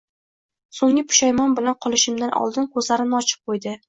Soʻnggi pushmon bilan qolishimdan oldin koʻzlarimni ochib qoʻydi